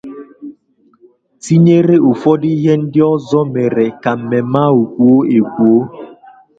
tinyere ụfọdụ ihe ndị ọzọ mere ka mmemme ahụ kwòó èkwòó.